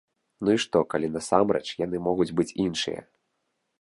Ну і што, калі насамрэч яны могуць быць іншыя.